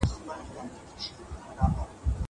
زه پرون سندري اورم وم!